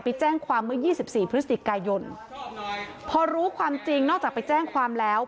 ไปแจ้งความเมื่อ๒๔พฤศจิกย์กายยนต์พอรู้ความจริงนอกจากไปแจ้งความแล้ว